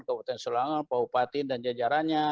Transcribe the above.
kabupaten serolangun bapak bupati dan jajarannya